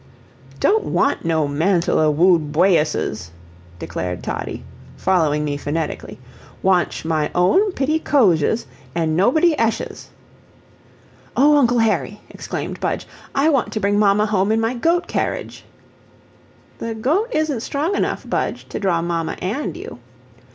"Don't want no mantle o' wude bawyusses," declared Toddie, following me phonetically, "wantsh my own pitty cozhesh, an' nobody eshesh." "O Uncle Harry!" exclaimed Budge, "I want to bring mamma home in my goat carriage!" "The goat isn't strong enough, Budge, to draw mamma and you."